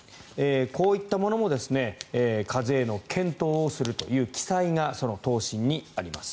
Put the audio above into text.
こういったものも課税の検討をするという記載がその答申にあります。